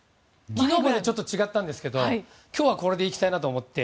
昨日までちょっと違ったんですが今日はこれでいきたいなと思って。